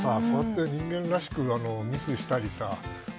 こうやって人間らしくミスしたりさ。